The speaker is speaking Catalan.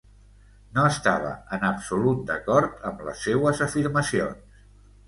No estava en absolut d'acord amb les seues afirmacions.